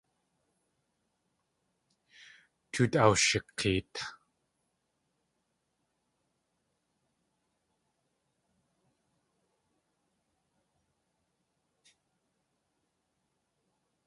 Tóo ashik̲eet.